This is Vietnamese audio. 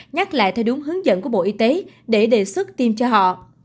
nhắc lại theo đúng hướng dẫn của bộ y tế để đề xuất tiêm cho họ